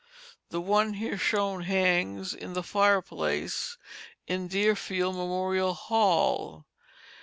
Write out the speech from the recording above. The one here shown hangs in the fireplace in Deerfield Memorial Hall.